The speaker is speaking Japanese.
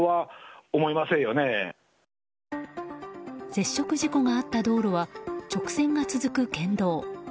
接触事故があった道路は直線が続く県道。